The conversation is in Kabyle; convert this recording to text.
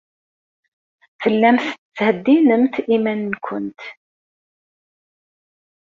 Tellamt tettheddinemt iman-nwent.